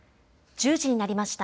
１０時になりました。